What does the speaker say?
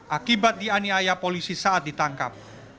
akibat dianiaya polisi saat ditangkap